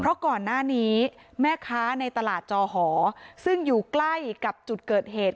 เพราะก่อนหน้านี้แม่ค้าในตลาดจอหอซึ่งอยู่ใกล้กับจุดเกิดเหตุ